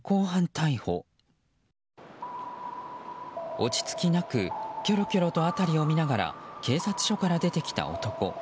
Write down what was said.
落着きなくキョロキョロと辺りを見ながら警察署から出てきた男。